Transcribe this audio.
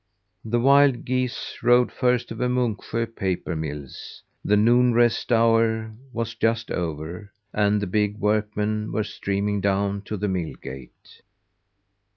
The wild geese rode first over Monksjö paper mills. The noon rest hour was just over, and the big workmen were streaming down to the mill gate.